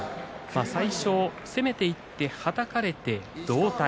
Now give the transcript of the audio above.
最初、攻めていってはたかれて同体。